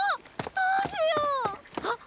どしよう！あっ！